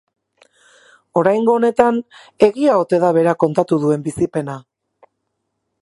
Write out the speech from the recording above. Oraingo honetan, egia ote da berak kontatu duen bizipena?